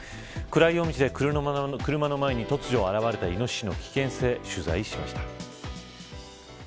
暗い夜道で車の前に突如現れたイノシシの危険性、取材しました。